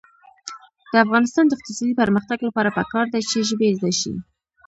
د افغانستان د اقتصادي پرمختګ لپاره پکار ده چې ژبې زده شي.